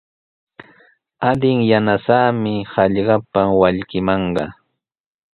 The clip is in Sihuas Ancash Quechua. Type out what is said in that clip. Adin yanasaami hallqapa wallkimanqa.